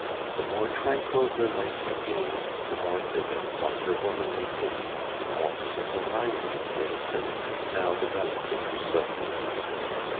The more tranquil her life had been, the more vivid was her womanly pity, the more simple minded were the sentiments now developed in her soul.